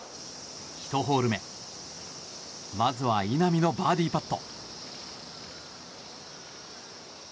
１ホール目まずは稲見のバーディーパット。